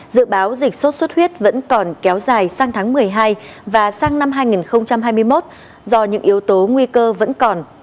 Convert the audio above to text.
dự báo dịch sốt xuất huyết vẫn còn kéo dài sang tháng một mươi hai và sang năm hai nghìn hai mươi một do những yếu tố nguy cơ vẫn còn